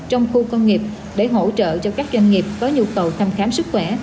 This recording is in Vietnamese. trong khu công nghiệp để hỗ trợ cho các doanh nghiệp có nhu cầu thăm khám sức khỏe